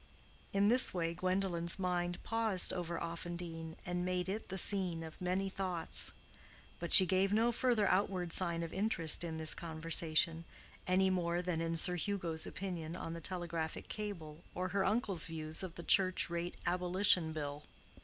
In this way Gwendolen's mind paused over Offendene and made it the scene of many thoughts; but she gave no further outward sign of interest in this conversation, any more than in Sir Hugo's opinion on the telegraphic cable or her uncle's views of the Church Rate Abolition Bill.